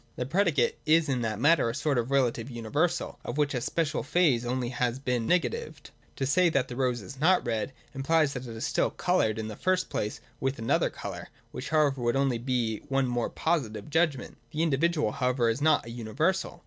The predicate is in that manner a sort of relative universal, of which a special phase only has been negatived. [To say, that the rose is not red, implies that it is still coloured — in the first place with another colour ; which however would be only one more positive judgment.] The in dividual however is not a universal.